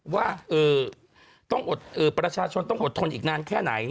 ว่าประชาชนต้องอดทนอีกนานแค่ไหน